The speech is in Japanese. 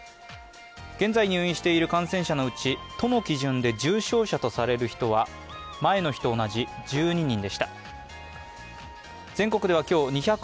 現在入院している感染者のうち都の基準で重症者とされる人は前の日と同じ１２人でした。